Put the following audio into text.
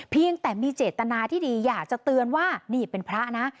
เพียงแต่มีเจตนาที่ดีอยากจะเตือนว่านี่เป็นพระนะ